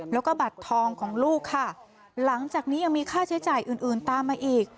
แล้วก็บัตรทองของลูกค่ะหลังจากนี้ยังมีค่าใช้จ่ายอื่นอื่นตามมาอีก